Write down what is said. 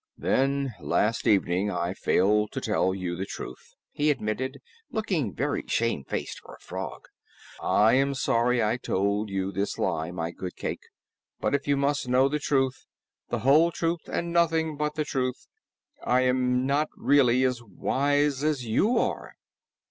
"Then last evening I failed to tell you the truth," he admitted, looking very shamefaced for a frog. "I am sorry I told you this lie, my good Cayke, but if you must know the truth, the whole truth and nothing but the truth, I am not really as wise as you are."